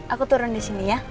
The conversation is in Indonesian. aku turun di sini ya